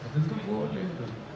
saya itu boleh